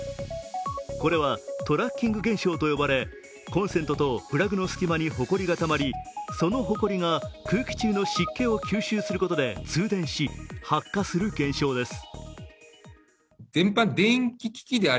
これはトラッキング現象と呼ばれ、コンセントとプラグの隙間にほこりがたまり、そのほこりが空気中の湿気を吸収することで通電し発火する現象です。